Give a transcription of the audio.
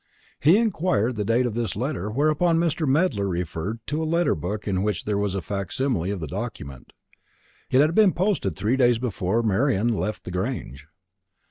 He inquired the date of this letter; whereupon Mr. Medler referred to a letter book in which there was a facsimile of the document. It had been posted three days before Marian left the Grange.